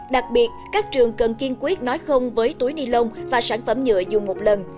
đặc biệt các trường cần kiên quyết nói không với túi nilon và sản phẩm nhựa dùng một lần